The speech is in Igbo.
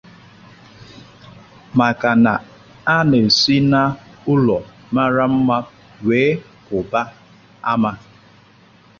maka na a na-esi n'ụlọ mara mma wee pụba ama.